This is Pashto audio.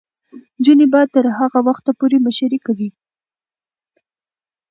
نجونې به تر هغه وخته پورې مشري کوي.